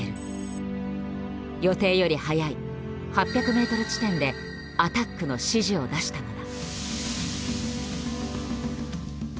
予定より早い８００ｍ地点でアタックの指示を出したのだ。